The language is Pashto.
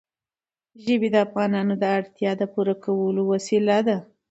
ژبې د افغانانو د اړتیاوو د پوره کولو وسیله ده.